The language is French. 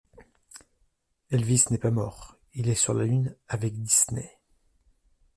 Elvis n'est pas mort, il est sur la lune avec Disney.